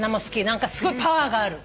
何かすごいパワーがある。